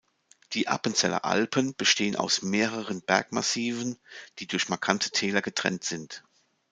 Die Appenzeller Alpen bestehen aus mehreren Bergmassiven, die durch markante Täler getrennt sind.